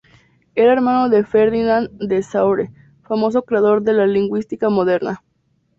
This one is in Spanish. Era hermano de Ferdinand de Saussure, famoso creador de la lingüística moderna.